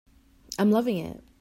I'm loving it.